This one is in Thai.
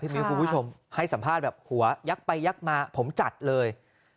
มิ้วคุณผู้ชมให้สัมภาษณ์แบบหัวยักษ์ไปยักมาผมจัดเลย